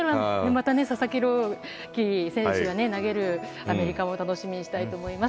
また佐々木朗希選手が投げるアメリカも楽しみにしたいと思います。